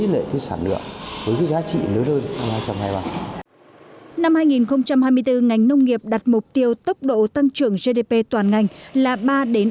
năm hai nghìn hai mươi bốn gia tăng toàn ngành nông nghiệp ước đạt ba tám mươi ba đây là mức tăng trưởng cao nhất trong một mươi năm gần đây